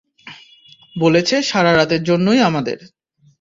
বলেছে সারা রাতের জন্যই আমাদের!